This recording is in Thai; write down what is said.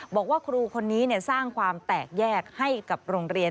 บอกว่าครูคนนี้สร้างความแตกแยกให้กับโรงเรียน